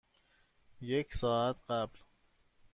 یک ساعت قبل.